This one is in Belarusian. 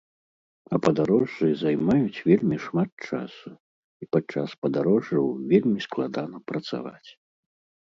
А падарожжы займаюць вельмі шмат часу і падчас падарожжаў вельмі складана працаваць.